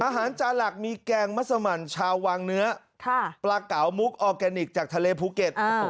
จานหลักมีแกงมัสมันชาววังเนื้อปลาเก๋ามุกออร์แกนิคจากทะเลภูเก็ต